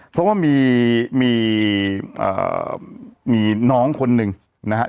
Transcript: เพราะว่ามีน้องคนหนึ่งนะครับ